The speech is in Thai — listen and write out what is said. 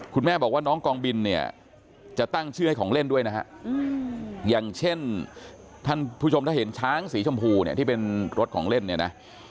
คุณแม่บอกว่าน้องกองบินเนี่ยจะตั้งชื่อให้ของเล่นด้วยนะฮะอย่างเช่นท่านผู้ชมถ้าเห็นช้างสีชมพูเนี่ยที่เป็นรถของเล่นเนี่ยนะ